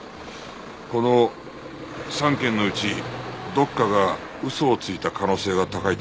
この３軒のうちどっかが嘘をついた可能性が高いと思わないか？